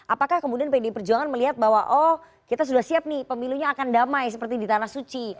apakah kemudian pdi perjuangan melihat bahwa oh kita sudah siap nih pemilunya akan damai seperti di tanah suci